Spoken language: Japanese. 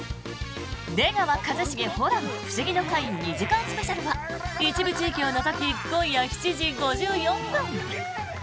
「出川一茂ホラン☆フシギの会２時間ＳＰ」は一部地域を除き今夜７時５４分。